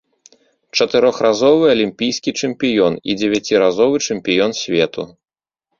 Чатырохразовы алімпійскі чэмпіён і дзевяціразовы чэмпіён свету.